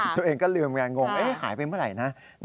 ตัวเองก็ลืมไงงงหายไปเมื่อไหร่นะ